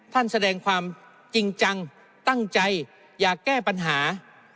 ท่านแสดงความจริงจังตั้งใจอยากแก้ปัญหา